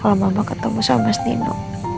kalau mama ketemu sama mas nino